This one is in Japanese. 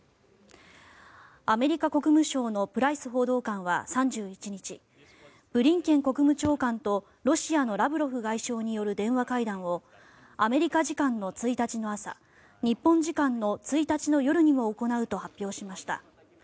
アメリカ国務省のプライス報道官は３１日ブリンケン国務長官とロシアのラブロフ外相による電話会談をアメリカ時間の１日の朝日本時間の１日の夜にも行うと発表しました。